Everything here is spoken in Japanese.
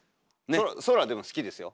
空でも好きですよ。